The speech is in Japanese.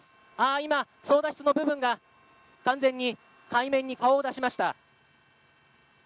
今操舵室の部分が完全に海面に顔を出しました。